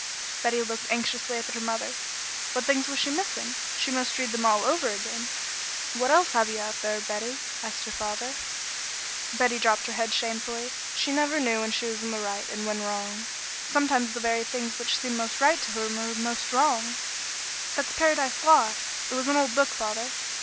Betty looked anxiously up at her mother. What things was she missing? She must read them all over again. "What else have you out there, Betty?" asked her father. Betty dropped her head shamefacedly. She never knew when she was in the right and when wrong. Sometimes the very things which seemed most right to her were most wrong. "That's 'Paradise Lost.' It was an old book, father.